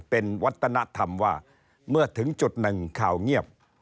เป็นวัฒนธรรมว่าเมื่อถึงจุดหนึ่งข่าวเงียบ